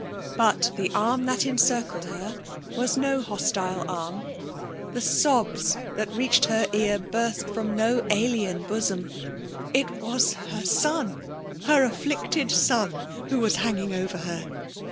But the arm that encircled her was bo hostQe arm — ^the sobs that reached her ear burst from no alien bosom. It was her son — her afflicted son — who was hanging over her